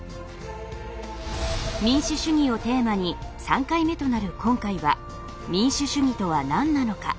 民主主義をテーマに３回目となる今回は民主主義とは何なのか？